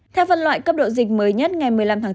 theo phân loại cấp độ dịch mới nhất ngày một mươi năm tháng bốn